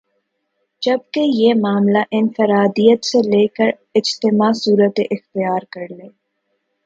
جبکہ یہ معاملہ انفراد عیت سے ل کر اجتماع صورت اختیار کر لے